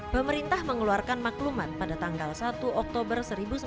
pemerintah mengeluarkan maklumat pada tanggal satu oktober seribu sembilan ratus empat puluh